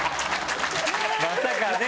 まさかね